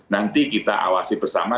nanti kita awasi bersama